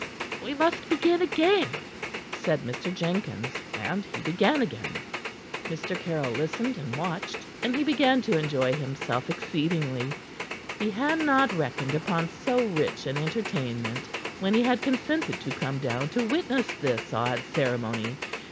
"We must begin again," said Mr. Jenkins. And he began again. Mr. Caryll listened and watched, and he began to enjoy himself exceedingly. He had not reckoned upon so rich an entertainment when he had consented to come down to witness this odd ceremony.